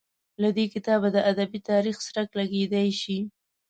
له دې کتابه د ادبي تاریخ څرک لګېدای شي.